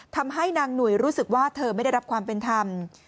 ทำให้นางหนุ่ยรู้สึกว่าเธอไม่ได้รับความเป็นธรรม